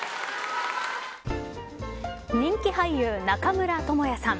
人気俳優、中村倫也さん